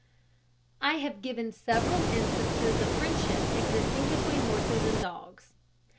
I have given several instances of friendship existing between horses and dogs.